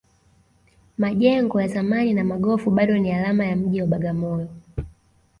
majengo ya zamani na magofu bado ni alama ya mji wa bagamoyo